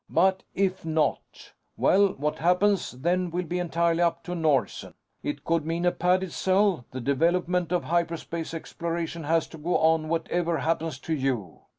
But if not ... well, what happens then will be entirely up to Nordsen. It could mean a padded cell. The development of hyperspace exploration has to go on, whatever happens to you."